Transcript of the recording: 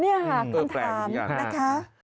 นี่ค่ะคำถามนะคะ